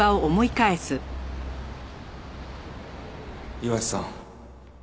岩瀬さん。